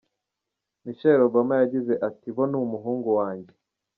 Michelle Obama yagize ati :« Bo ni umuhungu wanjye.